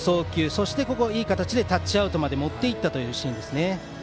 そして、いい形でタッチアウトまで持って行ったシーンです。